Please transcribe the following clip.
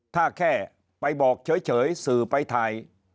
ถ้าแค่ไปบอกเฉยสื่อไปถ่าย